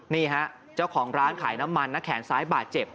นี่ฮะเจ้าของร้านขายน้ำมันนะแขนซ้ายบาดเจ็บ